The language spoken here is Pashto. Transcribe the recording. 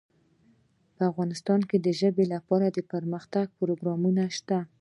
افغانستان کې د ژبې لپاره دپرمختیا پروګرامونه شته.